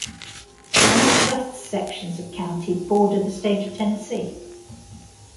The northwest sections of county border the State of Tennessee.